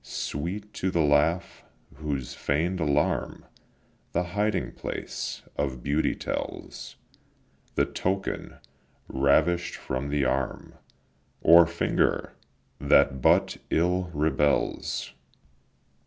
Sweet too the laugh, whose feign'd alarm The hiding place of beauty tells, The token, ravish'd from the arm Or finger, that but ill rebels.